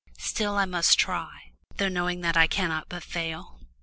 Still I must try, though knowing that I cannot but fail.